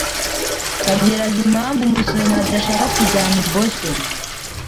Kagera azi impamvu Musonera adashaka kujyana i Boston?